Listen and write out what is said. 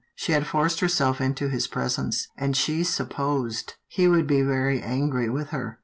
She had forced herself into his presence, and she supposed he would be very angry with her.